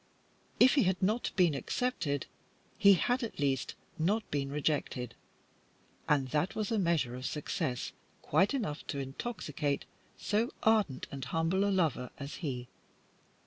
If he had not been accepted, he had, at least, not been rejected, and that was a measure of success quite enough to intoxicate so ardent and humble a lover as he.